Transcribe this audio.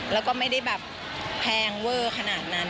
และไม่ได้แพ้งเว่อขนาดนั้น